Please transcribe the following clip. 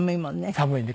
寒いんで。